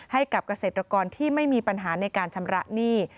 ให้กับเกษตรกรที่ไม่มีปัญหาในการชำระหนี้